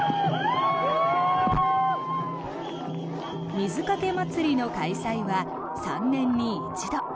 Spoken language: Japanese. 水かけ祭りの開催は３年に一度。